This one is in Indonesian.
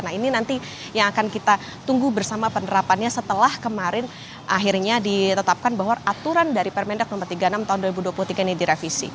nah ini nanti yang akan kita tunggu bersama penerapannya setelah kemarin akhirnya ditetapkan bahwa aturan dari permendak no tiga puluh enam tahun dua ribu dua puluh tiga ini direvisi